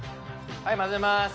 はい混ぜます。